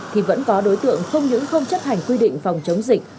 thì vẫn có đối tượng không những không chấp hành quy định phòng chống dịch